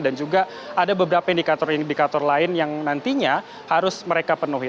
dan juga ada beberapa indikator indikator lain yang nantinya harus mereka penuhi